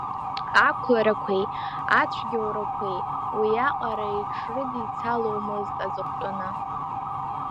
Ақәларақәеи ацәгьаурақәеи уиаҟара иҽрыдицаломызт аҵыхәтәаны.